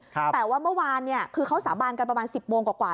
แต่ว่าเมื่อวานเนี่ยคือเขาสาบานกันประมาณ๑๐โมงกว่า